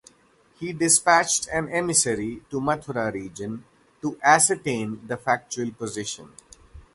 He dispatched an emissary to Mathura region to ascertain the factual position.